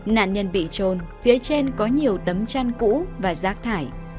nạn nhân bị trôn phía trên có nhiều tấm chăn cũ và rác thải